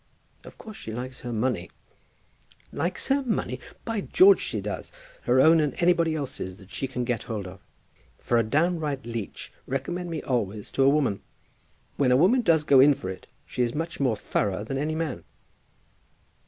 "Of course she likes her money." "Likes her money! By George she does; her own and anybody else's that she can get hold of. For a downright leech, recommend me always to a woman. When a woman does go in for it, she is much more thorough than any man."